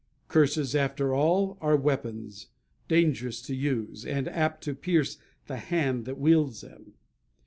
Curses, after all, are weapons dangerous to use, and apt to pierce the hand that wields them.